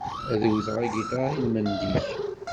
Ad uteɣ agitar i-lmend-ik.